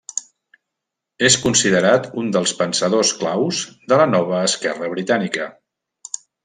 És considerat un dels pensadors claus de la Nova Esquerra britànica.